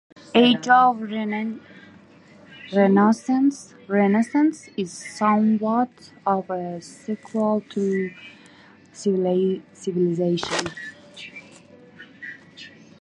"Age of Renaissance" is somewhat of a sequel to "Civilization".